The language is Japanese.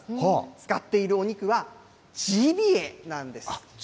使っているお肉はジビエなんです。